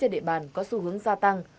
địa bàn có xu hướng gia tăng